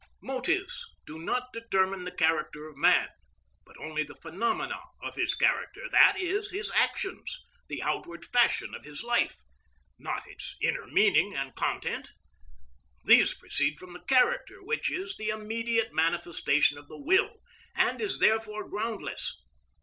Motives do not determine the character of man, but only the phenomena of his character, that is, his actions; the outward fashion of his life, not its inner meaning and content. These proceed from the character which is the immediate manifestation of the will, and is therefore groundless.